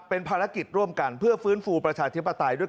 เป็นภารกิจร่วมกันเพื่อฟื้นฟูประชาธิปไตยด้วย